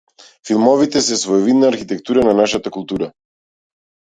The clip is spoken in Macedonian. Филмовите се своевидна архитектура на нашата култура.